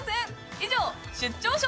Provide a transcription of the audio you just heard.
以上出張笑